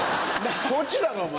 そっちだろお前。